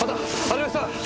ありました！